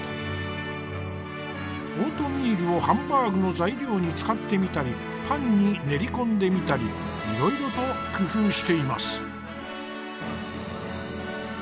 オートミールをハンバーグの材料に使ってみたりパンに練り込んでみたりいろいろと工夫しています。